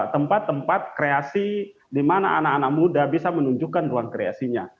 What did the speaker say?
tempat tempat kreasi di mana anak anak muda bisa menunjukkan ruang kreasinya